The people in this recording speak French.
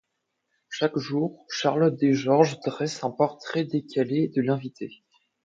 Chaque jour Charlotte des Georges dresse un portrait décalé de l’invité.